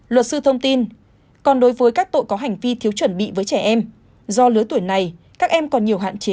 luật sư thông tin còn đối với các tội có hành vi thiếu chuẩn bị với trẻ em do lứa tuổi này các em còn nhiều hạn chế